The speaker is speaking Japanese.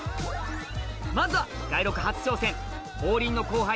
まずは街録初挑戦王林の後輩